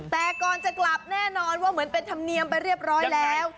แต่ก่อนจะกลับแน่นอนว่าเหมือนเป็นธรรมเนียมไปเรียบร้อยแล้ว